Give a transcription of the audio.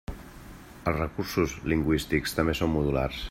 Els recursos lingüístics també són modulars.